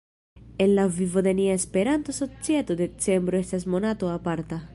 En la vivo de nia Esperanto-societo decembro estas monato aparta.